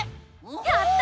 やった！